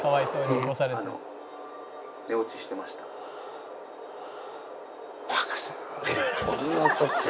こんな時に。